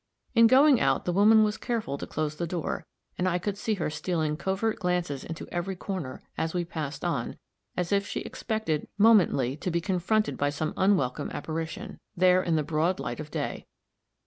In going out, the woman was careful to close the door, and I could see her stealing covert glances into every corner, as we passed on, as if she expected, momently, to be confronted by some unwelcome apparition, there in the broad light of day.